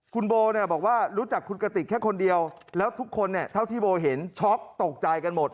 คุณโบเนี่ยบอกว่ารู้จักคุณกติกแค่คนเดียวแล้วทุกคนเนี่ยเท่าที่โบเห็นช็อกตกใจกันหมด